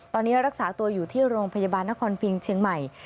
ตอนนี้รักษาตัวอยู่ที่โรงพยาบาลนครพิงเชียงใหม่